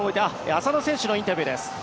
浅野選手のインタビューです。